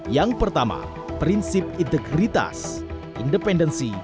yang pertama prinsip integritas independensi